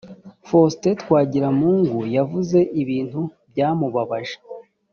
faustin twagiramungu yavuze ibintu byamubabaje